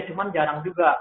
cuma jarang juga